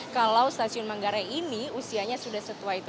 kalau stasiun manggarai ini usianya sudah setua itu